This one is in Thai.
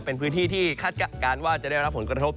เป็นพื้นที่ที่คาดการณ์ว่าจะได้รับผลกระทบ